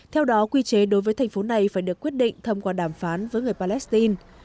theo đó quy chế đối với thành phố này phải được quyết định thông qua đàm phán với người palestine